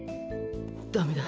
「ダメだ！